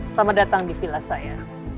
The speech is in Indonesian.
selamat datang di vilas saya